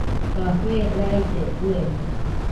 Café raise ɨenide.